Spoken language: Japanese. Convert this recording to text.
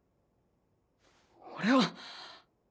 俺は。